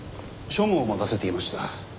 庶務を任せていました。